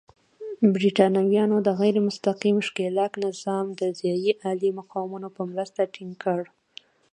برېټانویانو د غیر مستقیم ښکېلاک نظام د ځايي عالي مقامانو په مرسته ټینګ کړ.